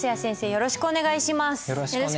よろしくお願いします。